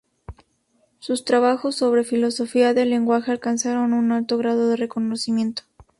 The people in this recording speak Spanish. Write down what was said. Sus trabajos sobre filosofía del lenguaje alcanzaron un alto grado de reconocimiento.